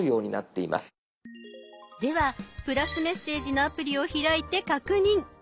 では「＋メッセージ」のアプリを開いて確認。